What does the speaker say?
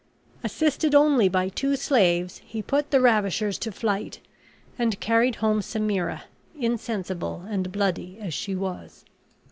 Assisted only by two slaves, he put the ravishers to flight and carried home Semira, insensible and bloody as she was.